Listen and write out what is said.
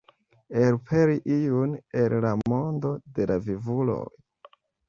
Elpeli iun el la mondo de la vivuloj.